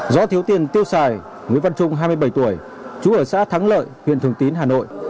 do thiếu tiền tiêu xài nguyễn văn trung hai mươi bảy tuổi chú ở xã thắng lợi huyện thường tín hà nội